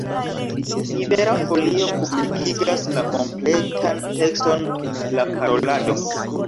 Libera Folio publikigas la kompletan tekston de la parolado.